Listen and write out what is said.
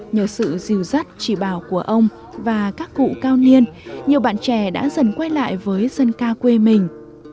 nhờ sự dìu dắt chỉ bảo của ông và các cụ cao niên nhiều bạn trẻ đã dần quay lại với dân ca quê mình